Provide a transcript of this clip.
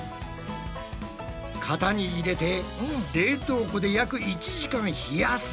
型に入れて冷凍庫で約１時間冷やすだけ。